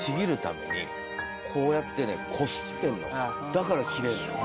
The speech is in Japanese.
だから切れんの。